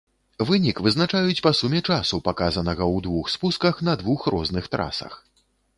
Вынік вызначаюць па суме часу, паказанага ў двух спусках на двух розных трасах.